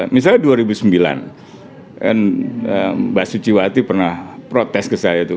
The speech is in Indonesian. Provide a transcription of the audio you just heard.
misalnya dua ribu sembilan mbak suciwati pernah protes ke saya itu